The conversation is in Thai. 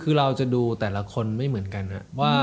คือเราจะดูแต่ละคนไม่เหมือนกัน